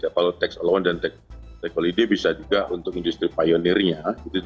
kalau tax allowance dan taxido bisa juga untuk industri pieoneer nya